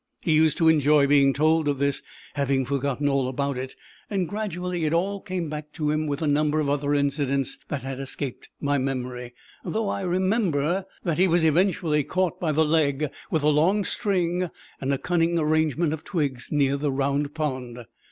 He used to enjoy being told of this, having forgotten all about it, and gradually it all came back to him, with a number of other incidents that had escaped my memory, though I remember that he was eventually caught by the leg with a long string and a cunning arrangement of twigs near the Round Pond.